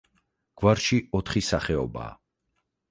გვარში ოთხი სახეობაა.